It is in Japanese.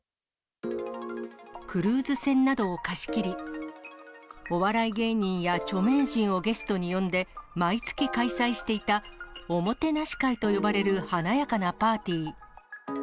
クルーズ船などを貸し切り、お笑い芸人や著名人をゲストに呼んで、毎月開催していたおもてなし会と呼ばれる華やかなパーティー。